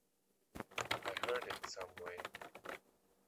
I hurt it some way.